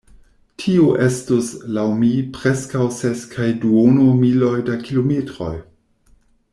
Tio estus, laŭ mi, preskaŭ ses kaj duono miloj da kilometroj.